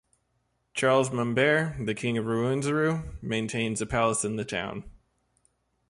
Charles Mumbere, the king of Rwenzururu, maintains a palace in the town.